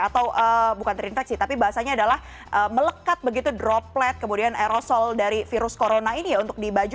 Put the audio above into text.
atau bukan terinfeksi tapi bahasanya adalah melekat begitu droplet kemudian aerosol dari virus corona ini ya untuk di baju